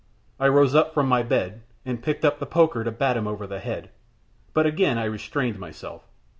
I rose up from my bed, and picked up the poker to bat him over the head, but again I restrained myself.